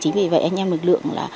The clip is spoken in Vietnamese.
chính vì vậy anh em lực lượng